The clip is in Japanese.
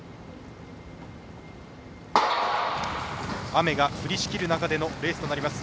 雨が降りしきる中でのレースとなります。